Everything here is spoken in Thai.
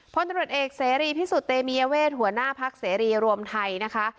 พลตรวจเอกเสรีพิสุทธิ์เตมียเวทหัวหน้าพักเสรีรวมไทยนะคะ